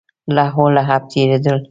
لهو لعب تېرېدل.